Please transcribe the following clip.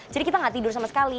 jadi kita enggak tidur sama sekali